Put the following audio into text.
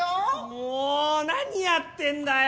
もぉ何やってんだよ！